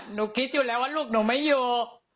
หนูคิดอยู่แล้วว่าลูกหนูไม่อยู่